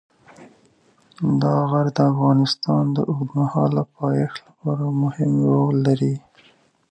دا غر د افغانستان د اوږدمهاله پایښت لپاره مهم رول لري.